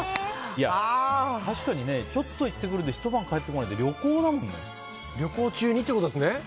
確かに、ちょっと行ってくるでひと晩帰ってこないって旅行中にってことですよね。